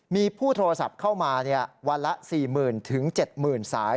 มีผู้โทรศัพท์เข้ามาวันละ๔๐๐๐๗๐๐สาย